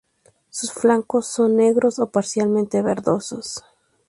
Sus flancos son negros o parcialmente verdosos.